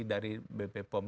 dari bp pom